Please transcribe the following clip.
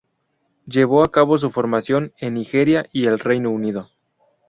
Llevó a cabo su formación en Nigeria y el Reino Unido.